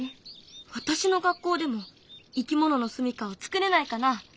私の学校でもいきもののすみかをつくれないかな？